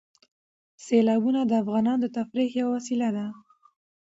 سیلابونه د افغانانو د تفریح یوه وسیله ده.